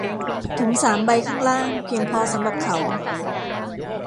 ถุงสามใบข้างล่างเพียงพอสำหรับเขา